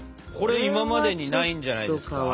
これ今までにないんじゃないですか？